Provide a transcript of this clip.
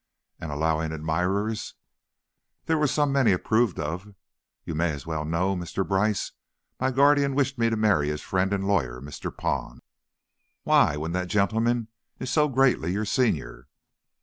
"And allowing admirers?" "There were some men he approved of, you may as well know, Mr. Brice, my guardian wished me to marry his friend and lawyer, Mr. Pond." "Why, when that gentleman is so greatly your senior?"